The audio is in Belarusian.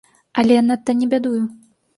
Але я надта не бядую.